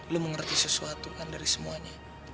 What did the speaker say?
lu mengerti sesuatu kan dari semuanya